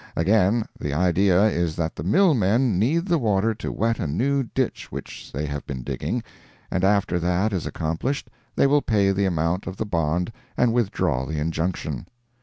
Again, the idea is that the mill men need the water to wet a new ditch which they have been digging, and after that is accomplished they will pay the amount of the bond and withdraw the injunction.